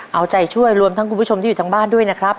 เอาใจช่วยรวมทั้งคุณผู้ชมที่อยู่ทางบ้านด้วยนะครับ